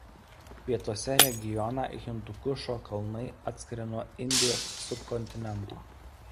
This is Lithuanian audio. Pietuose regioną Hindukušo kalnai atskiria nuo Indijos subkontinento.